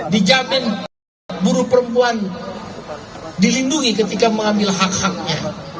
dijamin buruh perempuan dilindungi ketika mengambil hak haknya